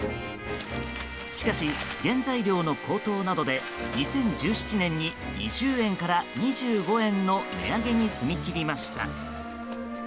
しかし、原材料の高騰などで２０１７年に２０円から２５円の値上げに踏み切りました。